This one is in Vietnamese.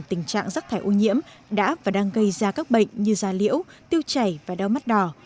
tình trạng rắc thải ô nhiễm đã và đang gây ra các bệnh như da liễu tiêu chảy và đau mắt đỏ